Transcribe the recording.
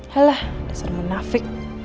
halah dasar menafik